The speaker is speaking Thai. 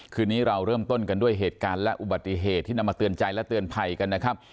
คืนนี้เราเริ่มต้นกันด้วยเหตุการณ์และอุบัติเหตุที่นำมาเตือนใจและเตือนภัยกันนะครับ